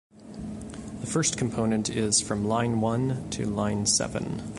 The first component is from line one to line seven.